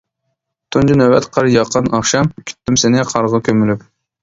تۇنجى نۆۋەت قار ياغقان ئاخشام، كۈتتۈم سېنى قارغا كۆمۈلۈپ.